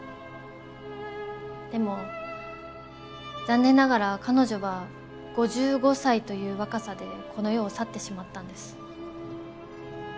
でも残念ながら彼女は５５歳という若さでこの世を去ってしまったんです。